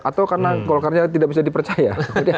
atau karena golkarnya tidak bisa dipercaya